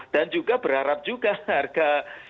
dan juga berharap juga harga